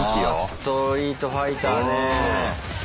「ストリートファイター」ね。